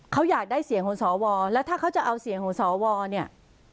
เขาอยากได้เสียงของสวแล้วถ้าเขาจะเอาเสียงของสวเนี่ย